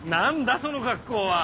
その格好は。